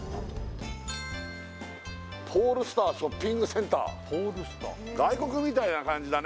ポールスターショッピングセンター外国みたいな感じだね